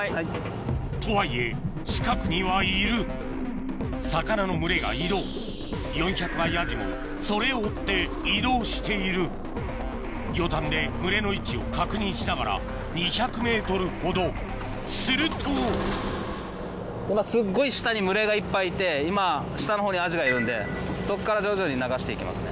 とはいえ近くにはいる魚の群れが移動４００倍アジもそれを追って移動している魚探で群れの位置を確認しながら２００ｍほどすると今すっごい下に群れがいっぱいいて今下のほうにアジがいるんでそっから徐々に流して行きますね。